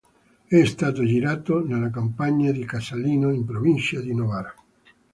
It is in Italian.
È stato girato nelle campagne di Casalino, in provincia di Novara.